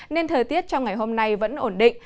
nên thời tiết trong ngày hôm nay vẫn ổn định